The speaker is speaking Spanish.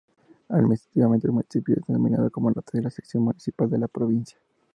Administrativamente, el municipio es denominado como la "tercera sección municipal" de la provincia.